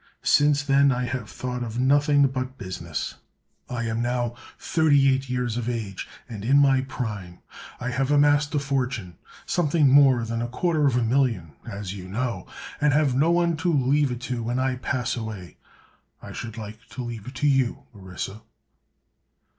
Since then I have thought of nothing but business. I am now thirty eight years of age, and in my prime. I have amassed a fortune—something more than a quarter of a million, as you know—and have no one to leave it to when I pass away. I should like to leave it to you, Orissa."